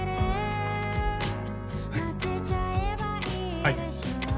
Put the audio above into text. はい。